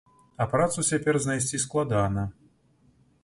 А працу цяпер знайсці складана.